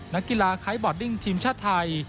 นักกีฬาไทยบอร์ดดิ้งทีมชาติไทย